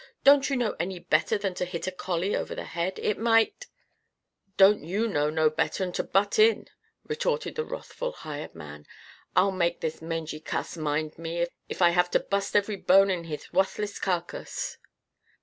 "Don't you know any better than to hit a collie over the head? It might " "Don't you know no better'n to butt in?" retorted the wrathful hired man. "I'll make this mangy cuss mind me, if I have to bust ev'ry bone in his wuthless carcass!"